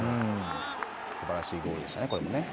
すばらしいゴールでしたね、これもね。